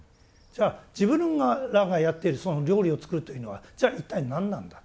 じゃあ自分らがやっているその料理を作るというのはじゃあ一体何なんだ。